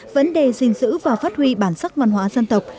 vấn đề sinh sử và phát huy bản sắc văn hóa dân tộc